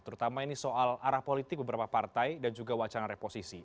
terutama ini soal arah politik beberapa partai dan juga wacana reposisi